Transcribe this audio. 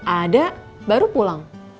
ada baru pulang